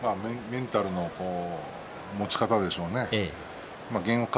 メンタルの持ち方でしょうね。